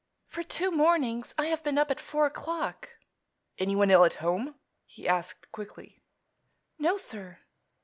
"For two mornings I have been up at four o'clock." "Anyone ill at home?" he asked quickly. "No, sir."